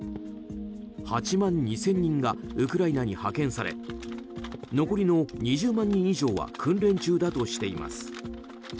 ８万２０００人がウクライナに派遣され残りの２０万人は訓練中だとしています。